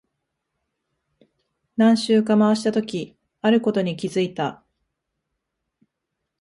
何周か回したとき、あることに気づいた。